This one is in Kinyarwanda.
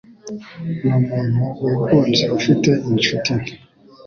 Numuntu wigunze ufite inshuti nke.